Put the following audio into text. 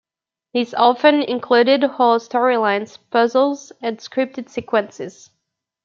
These often included whole story-lines, puzzles, and scripted sequences.